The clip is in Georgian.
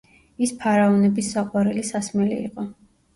ის ფარაონების საყვარელი სასმელი იყო.